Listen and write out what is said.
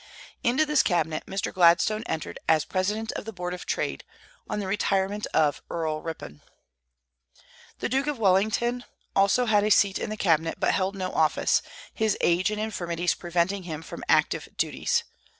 Into this cabinet Mr. Gladstone entered as president of the board of trade, on the retirement of Earl Ripon. The Duke of Wellington also had a seat in the cabinet, but held no office, his age and infirmities preventing him from active duties.